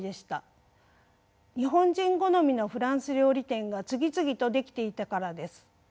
日本人好みのフランス料理店が次々と出来ていたからです。